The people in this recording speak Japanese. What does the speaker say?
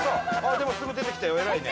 でもすぐ出てきたよ偉いね。